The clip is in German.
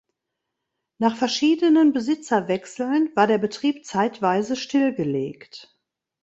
Nach verschiedenen Besitzerwechseln war der Betrieb zeitweise stillgelegt.